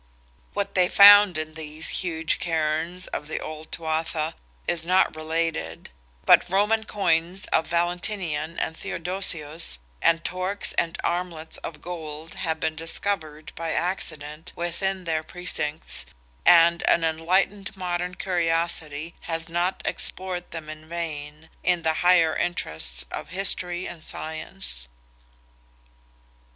What they found in these huge cairns of the old Tuatha is not related; but Roman coins of Valentinian and Theodosius, and torques and armlets of gold, have been discovered by accident within their precincts, and an enlightened modern curiosity has not explored them in vain, in the higher interests of history and science.